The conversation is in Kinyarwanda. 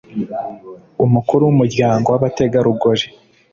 umukuru w umuryango w abategarugori